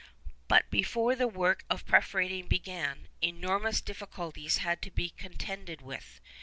But before the work of perforating began, enormous difficulties had to be contended with.